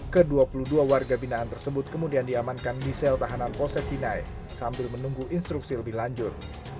ke dua puluh dua warga binaan tersebut kemudian diamankan di sel tahanan posek hinai sambil menunggu instruksi lebih lanjut